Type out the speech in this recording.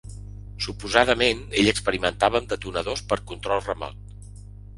Suposadament, ell experimentava amb detonadors per control remot.